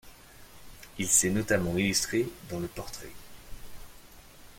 Il s'est notamment illustré dans le portrait.